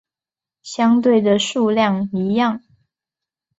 相对的数量一样。